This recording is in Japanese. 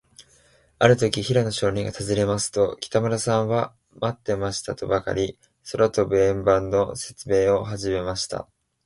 あるとき、平野少年がたずねますと、北村さんは、まってましたとばかり、空とぶ円盤のせつめいをはじめました。